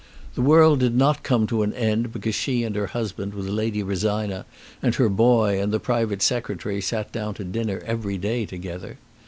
The world did not come to an end because she and her husband with Lady Rosina and her boy and the private Secretary sat down to dinner every day together.